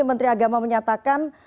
menteri agama menyatakan